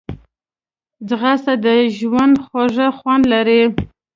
ځغاسته د ژوند خوږ خوند لري